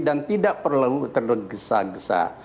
dan tidak perlu tergesa gesa